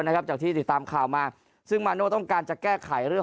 นะครับจากที่ติดตามข่าวมาซึ่งมาโน่ต้องการจะแก้ไขเรื่อง